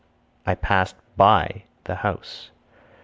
I passed (by) the house.